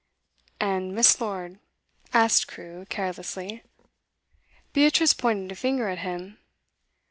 'And Miss. Lord?' asked Crewe carelessly. Beatrice pointed a finger at him.